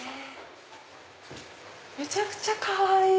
めちゃくちゃかわいい！